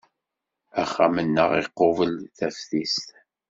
Axxam-nneɣ iqubel taftist.